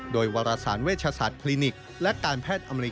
โดยวารสารเวชศาสตร์พลินิกส์และการแพทย์อำนาจแรง